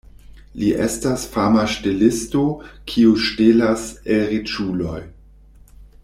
Li estas fama ŝtelisto, kiu ŝtelas el riĉuloj.